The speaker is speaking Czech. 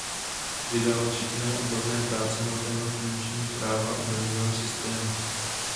Vydal četné odborné práce na téma finančního práva a daňového systému.